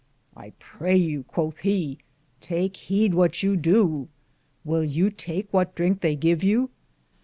I pray you, cothe he, take heede what you dow. Will you take what drinke they give you